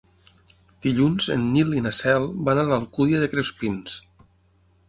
Dilluns en Nil i na Cel van a l'Alcúdia de Crespins.